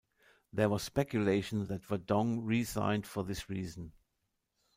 There was speculation that Verdonk resigned for this reason.